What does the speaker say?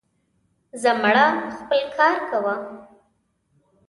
زه مړه, خپل کار کوه.